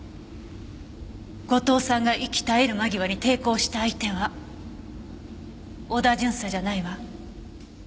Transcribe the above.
後藤さんが息絶える間際に抵抗した相手は織田巡査じゃないわ。